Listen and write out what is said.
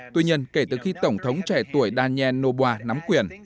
tuy nhiên kể từ khi tổng thống trẻ tuổi daniel noboa nắm quyền